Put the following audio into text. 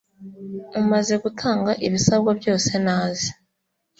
umaze gutanga ibisabwa byose naze